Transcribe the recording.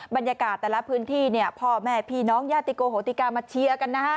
บรรยากาศแต่ละพื้นที่พ่อแม่พี่น้องญาติโกโหติกามาเชียร์กัน